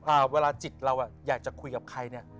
เวลาจิตเราอ่ะอยากจะคุยกับใครเนี่ย